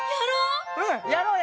やろう！